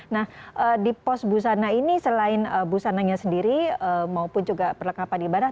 nah di pos busana ini selain busananya sendiri maupun juga perlengkapan ibarat